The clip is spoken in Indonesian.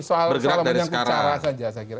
soal kalau menyangkut cara saja saya kira